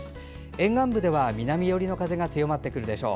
沿岸部では南寄りの風が強まるでしょう。